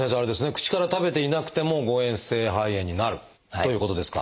口から食べていなくても誤えん性肺炎になるということですか？